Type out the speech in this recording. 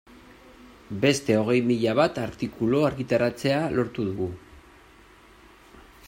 Beste hogei mila bat artikulu argitaratzea lortu dugu.